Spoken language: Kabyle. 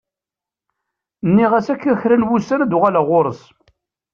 Nniɣ-as akka kra n wussan ad uɣaleɣ ɣur-s.